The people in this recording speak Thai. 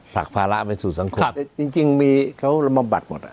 ผลักภาระไปสู่สังคมจริงมีเขาระบำบัดหมดอ่ะ